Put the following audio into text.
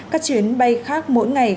các chuyến bay khác mỗi ngày